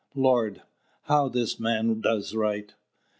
Lord! how this man does write!"